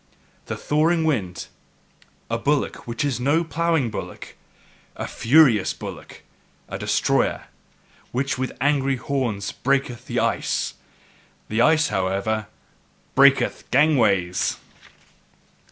The thawing wind, a bullock, which is no ploughing bullock a furious bullock, a destroyer, which with angry horns breaketh the ice! The ice however BREAKETH GANGWAYS!